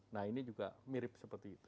nah ini juga mirip seperti itu